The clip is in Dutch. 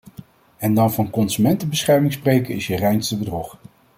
En dan van consumentenbescherming spreken is je reinste bedrog!